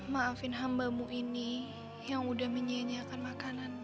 maafin hambamu ini yang udah menyianyiakan makanan